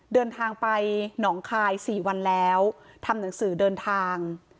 เดินทางไปหนองคาย๔วันแล้วทำหนังสือเดินทาง